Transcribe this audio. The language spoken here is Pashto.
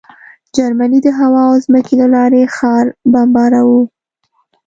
جرمني د هوا او ځمکې له لارې ښار بمباراوه